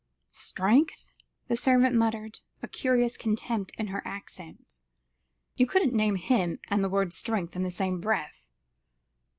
"Strength?" the servant muttered, a curious contempt in her accents; "you couldn't name him and the word strength in the same breath.